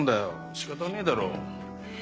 仕方ねえだろえ